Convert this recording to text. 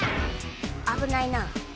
危ないな。